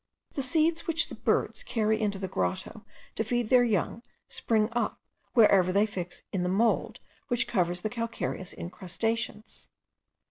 The seeds which the birds carry into the grotto to feed their young, spring up wherever they fix in the mould which covers the calcareous incrustations.